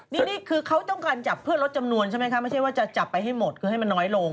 นี่คือเขาต้องการจับเพื่อลดจำนวนใช่ไหมคะไม่ใช่ว่าจะจับไปให้หมดคือให้มันน้อยลง